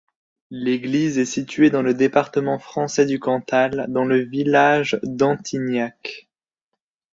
L'église est située dans le département français du Cantal, dans le village d'Antignac.